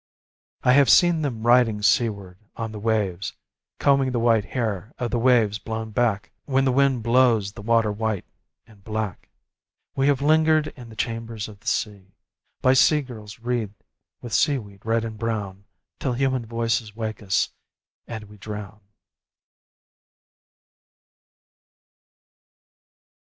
I have seen them riding seaward on the waves Combing the white hair of the waves blown back When the wind blows the water white and black. We have lingered in the chambers of the sea By sea girls wreathed with seaweed red and brown Till human voices wake us, and we drown.